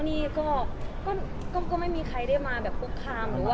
นี่ก็ไม่มีใครได้มาคุกคาม